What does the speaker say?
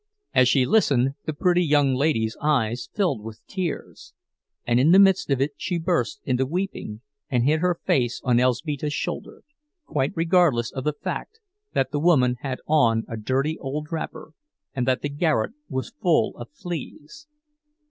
As she listened the pretty young lady's eyes filled with tears, and in the midst of it she burst into weeping and hid her face on Elzbieta's shoulder, quite regardless of the fact that the woman had on a dirty old wrapper and that the garret was full of fleas.